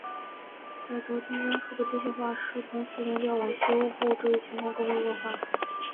在德军将数个机械化师从苏联调往西欧后这一情况更为恶化。